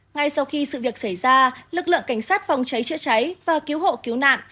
ngay sau khi sự việc xảy ra lực lượng cảnh sát phòng cháy chữa cháy và cứu hộ cứu nạn